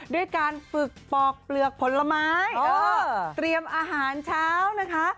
ด้วยการฝึกปอกเปลือกผลไม้เตรียมอาหารเช้านะคะ